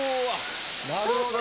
なるほど。